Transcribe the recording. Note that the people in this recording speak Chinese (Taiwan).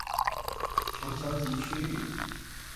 全球及區域